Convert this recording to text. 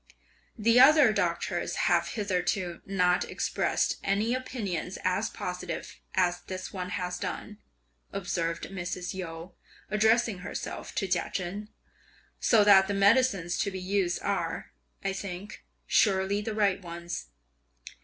"The other doctors have hitherto not expressed any opinions as positive as this one has done," observed Mrs. Yu, addressing herself to Chia Chen, "so that the medicines to be used are, I think, surely the right ones!"